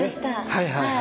はいはいはい。